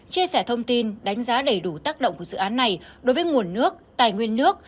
chia sẻ thông tin đánh giá đầy đủ tác động của dự án này đối với nguồn nước tài nguyên nước